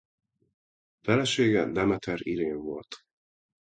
Felesége Demeter Irén volt.